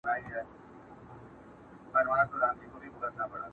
غورځېږم پورته کيږم باک مي نسته له موجونو